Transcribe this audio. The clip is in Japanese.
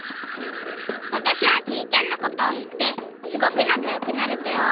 わたしはちりちゃんのことをしってすごくなかよくなれたよ。